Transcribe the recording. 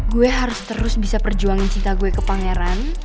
gue harus terus bisa perjuangin cinta gue ke pangeran